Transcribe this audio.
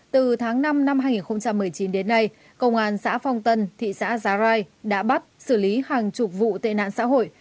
từ tháng năm năm hai nghìn một mươi chín đến nay công an xã phong tân thị xã giá rai đã bắt xử lý hàng chục vụ tệ nạn xã hội